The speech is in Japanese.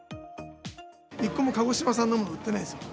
１個も鹿児島産のものが売ってないんですよ。